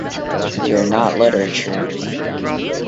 They are not literature.